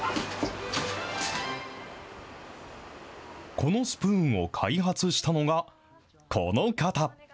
このスプーンを開発したのが、この方。